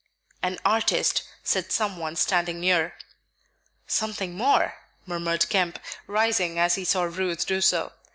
"An artist," said some one standing near. "Something more," murmured Kemp, rising as he saw Ruth do so.